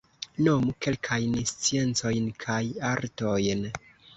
Nomu kelkajn sciencojn kaj artojn.